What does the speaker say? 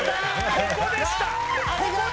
ここでした